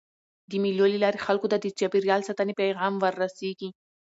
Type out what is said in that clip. د مېلو له لاري خلکو ته د چاپېریال ساتني پیغام وررسېږي.